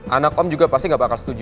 anak om juga pasti nggak bakal setuju